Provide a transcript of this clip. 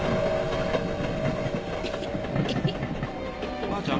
おばあちゃん